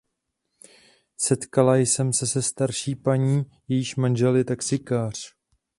Setkala jsem se se starší paní, jejíž manžel je taxikář.